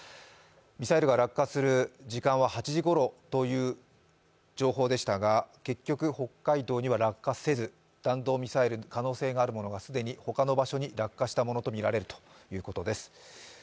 ミサイルが落下する時間は８時ごろという情報でしたが、結局、北海道には落下せず弾道ミサイルの可能性のあるものが既に他の場所に落下したものとみられるということです。